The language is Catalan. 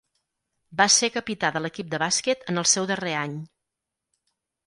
Va ser capità de l'equip de bàsquet en el seu darrer any.